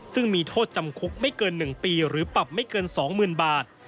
ซึ่งมีโทษจำคุกไม่เกิน๑ปีหรือปรับไม่เกิน๒๐๐๐บาท